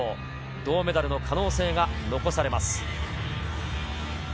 銅メダルの可能性が残されます。